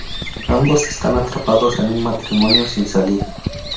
Ambos están atrapados en un matrimonio sin salida.